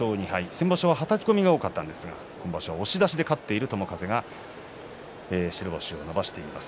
先場所ははたき込みが多かったんですが今場所は押し出しで勝っている友風白星を伸ばしています。